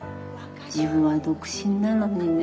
自分は独身なのにね。